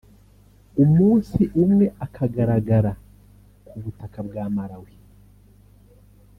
umunsi umwe akagaragara ku butaka bwa Malawi